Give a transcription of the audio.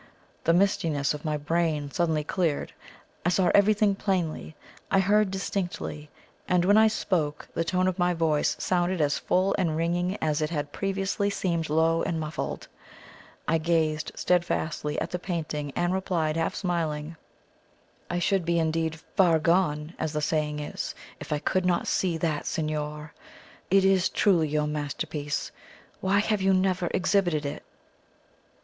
The mistiness of my brain suddenly cleared; I saw everything plainly; I heard distinctly; and when I spoke, the tone of my voice sounded as full and ringing as it had previously seemed low and muffled. I gazed steadfastly at the painting, and replied, half smiling: "I should be indeed 'far gone,' as the saying is, if I could not see that, signor! It is truly your masterpiece. Why have you never exhibited it?"